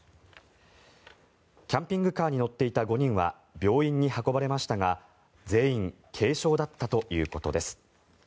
キャンピングカーに乗っていた５人は病院に運ばれましたが全員軽傷だったということです。